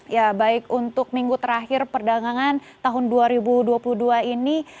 ya baik untuk minggu terakhir perdagangan tahun dua ribu dua puluh dua ini